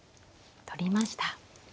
取りました。